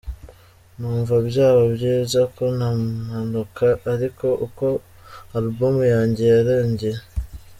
Numva byaba byiza ko namanuka ariko uko Album yanjye yarangiye.